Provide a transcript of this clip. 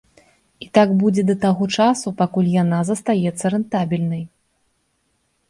І так будзе да таго часу, пакуль яна застаецца рэнтабельнай.